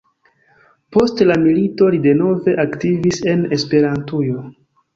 Post la milito li denove aktivis en Esperantujo.